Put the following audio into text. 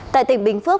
tại tỉnh bình phước